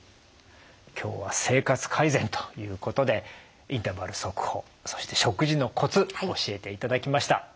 今日は生活改善ということでインターバル速歩そして食事のコツ教えていただきました。